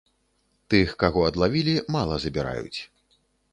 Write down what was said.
Тых каго адлавілі, мала забіраюць.